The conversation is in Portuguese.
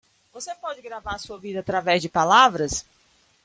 Você pode gravar sua vida através de palavras